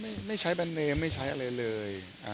ใช่เขาไม่ใช้แบรนด์เนมไม่ใช้อะไรเลย